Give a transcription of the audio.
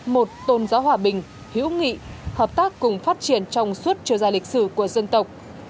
một tôn giáo hòa bình hữu nghị hợp tác cùng phát triển trong suốt trở dài lịch sử của dân tộc